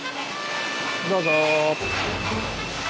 どうぞ！